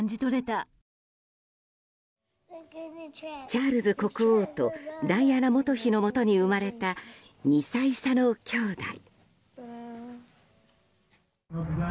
チャールズ国王とダイアナ元妃のもとに生まれた２歳差の兄弟。